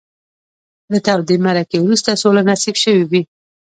له تودې معرکې وروسته سوله نصیب شوې وي.